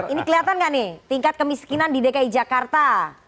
ini kelihatan nggak nih tingkat kemiskinan di dki jakarta